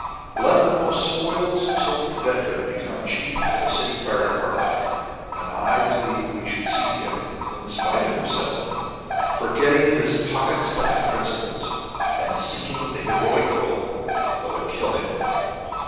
Let the most spoils soaked veteran become chief of a city fire department and I believe we should see him, in spite of himself, forgetting his pocket stuffing principles, and seeking the heroic goal, though it kill him.